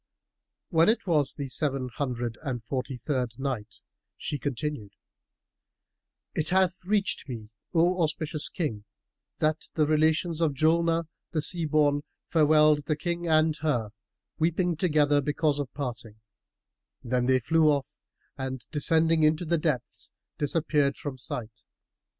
When it was the Seven Hundred and Forty third Night, She continued, It hath reached me, O auspicious King, that the relations of Julnar the Sea born farewelled the King and her, weeping together because of parting; then they flew off and descending into the depths disappeared from sight.